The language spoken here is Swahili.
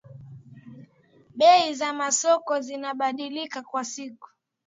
bei za masoko zinabadilika kwa siku